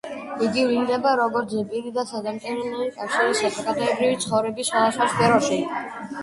იგი გვევლინება როგორც ზეპირი და სადამწერლო კავშირი საზოგადოებრივი ცხოვრების სხვადასხვა სფეროში.